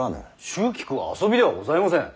蹴鞠は遊びではございません。